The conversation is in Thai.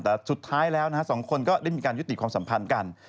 แต่สุดท้ายแล้วนะฮะสองคนก็ได้มีการยุติความสัมพันธ์กัน